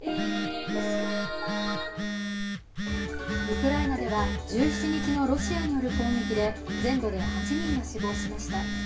ウクライナでは１７日のロシアによる攻撃で全土で８人が死亡しました。